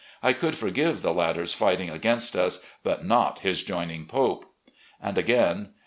I could forgive the latter's fighting against us, but not his joining Pope." And again